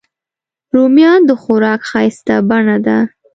رومیان د خوراک ښایسته بڼه ده